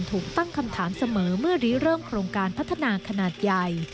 ถูกตั้งคำถามเสมอเมื่อรีเริ่มโครงการพัฒนาขนาดใหญ่